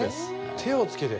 手をつけて。